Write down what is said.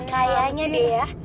kayaknya deh ya